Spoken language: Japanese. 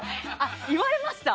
言われました？